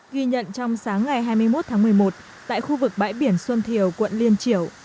ghi nhận trong sáng ngày hai mươi một tháng một mươi một tại khu vực bãi biển xuân thiều quận liên triểu